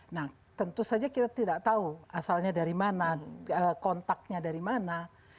nah tentu saja kita tidak tahu asalnya dari mana kontaknya dari mana